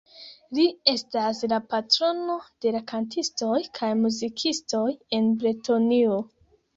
Li estas la patrono de la kantistoj kaj muzikistoj en Bretonio.